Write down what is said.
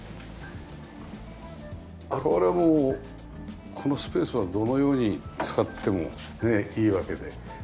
これもうこのスペースはどのように使ってもいいわけで。